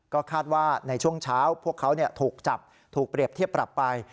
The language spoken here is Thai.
ก็คาดว่าในช่วงเช้าพวกเขาถูกจับถูกเปรียบเทียบปรับไป